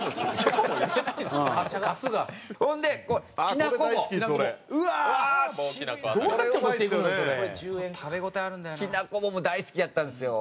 きなこ棒も大好きやったんですよ。